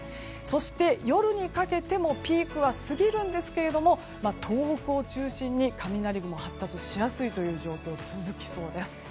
そして夜にかけてもピークは過ぎるんですけれども東北を中心に雷雲が発達しやすい状況が続きそうです。